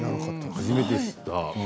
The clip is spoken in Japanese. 初めて知った。